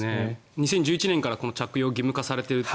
２０１９年から着用が義務化されていると。